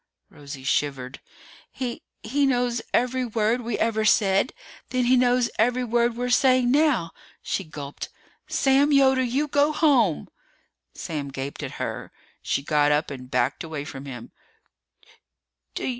Rosie shivered. "He he knows every word we ever said! Then he knows every word we're saying now!" She gulped. "Sam Yoder, you go home!" Sam gaped at her. She got up and backed away from him.